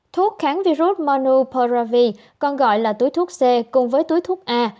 thuốc kháng virus monopiravir còn gọi là túi thuốc c cùng với túi thuốc a